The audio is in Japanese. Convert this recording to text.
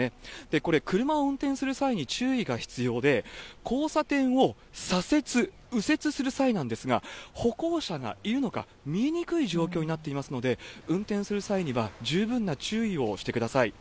これ、車を運転する際に注意が必要で、交差点を左折、右折する際なんですが、歩行者がいるのか見えにくい状況になっていますので、運転する際には十分な注意をしてください。